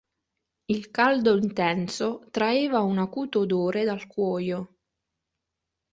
Il caldo intenso traeva un acuto odore dal cuoio.